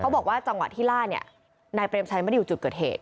บอกว่าจังหวะที่ล่าเนี่ยนายเปรมชัยไม่ได้อยู่จุดเกิดเหตุ